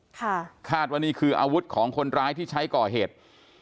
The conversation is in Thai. คาดว่านี่คืออาวุธของคนร้ายที่ใช้ก่อเหตุ